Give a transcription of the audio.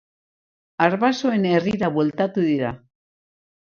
Arbasoen herrira bueltatu dira.